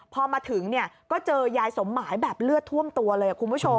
พอมาถึงเนี่ยก็เจอยายสมหมายแบบเลือดท่วมตัวเลยคุณผู้ชม